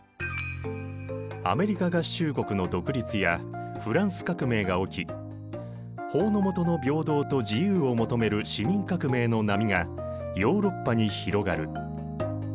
アメリカ合衆国の独立やフランス革命が起き法の下の平等と自由を求める市民革命の波がヨーロッパに広がる。